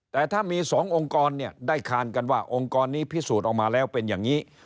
แต่ถ้ามี๒องค์กรเนี่ยได้คานกันว่าองค์กรนี้พิสูจน์ออกมาแล้วเป็นอย่างนี้